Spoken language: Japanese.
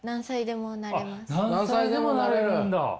何歳でもなれるんだ！